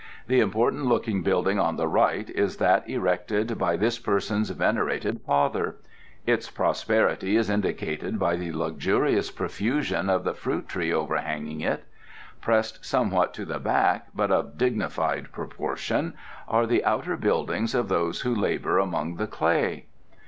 The important looking building on the right is that erected by this person's venerated father. Its prosperity is indicated by the luxurious profusion of the fruit tree overhanging it. Pressed somewhat to the back, but of dignified proportion, are the outer buildings of those who labour among the clay."